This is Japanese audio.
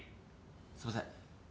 すいません。